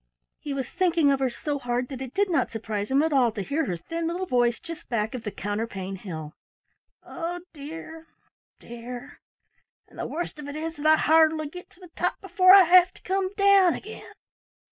He was thinking of her so hard that it did not surprise him at all to hear her little thin voice just back of the counterpane hill. "Oh dear, dear! and the worst of it is that I hardly get to the top before I have to come down again."